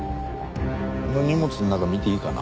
この荷物の中見ていいかな？